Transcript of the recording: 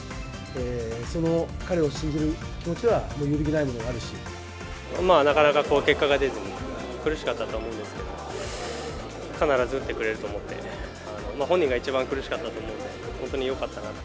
その彼を信じる気持ちは、まあ、なかなか結果が出ずに苦しかったと思うんですけど、必ず打ってくれると思って、本人が一番苦しかったと思うんですけど、本当によかったなと。